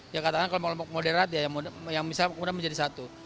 ya katakanlah kelompok kelompok moderat ya yang bisa kemudian menjadi satu